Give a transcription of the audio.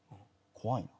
怖いな。